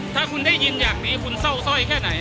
ถ้าคุณได้ยินอย่างนี้คุณเศร้าสร้อยแค่ไหน